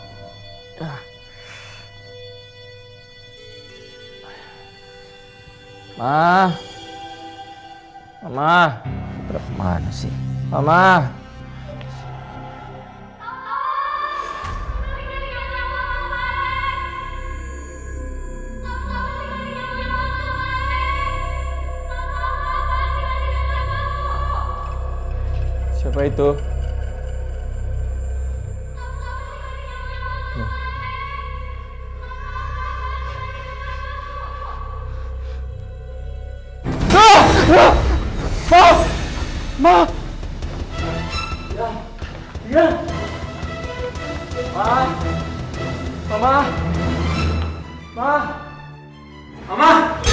pak ini mama